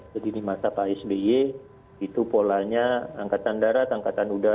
jadi di masa pak sby itu polanya angkatan darat itu yang terjadi